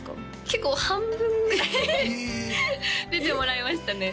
結構半分ぐらいええ出てもらいましたね